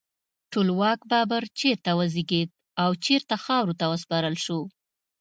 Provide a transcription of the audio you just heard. ټولواک بابر چیرته وزیږید او چیرته خاورو ته وسپارل شو؟